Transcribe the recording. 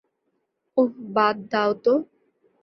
ওহ, বাদ দাও তো।